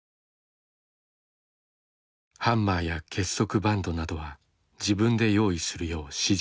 ハンマーや結束バンドなどは自分で用意するよう指示していた。